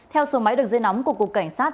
theo số máy đường dây nóng của cục cảnh sát